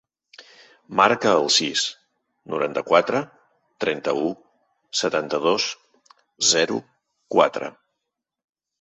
Marca el sis, noranta-quatre, trenta-u, setanta-dos, zero, quatre.